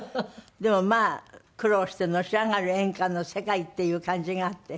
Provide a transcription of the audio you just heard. でもまあ苦労してのし上がる演歌の世界っていう感じがあって。